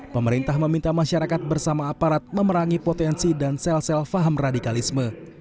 pemerintah meminta masyarakat bersama aparat memerangi potensi dan sel sel paham radikalisme